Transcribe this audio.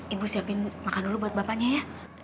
ibu siapin makan dulu buat bapaknya ya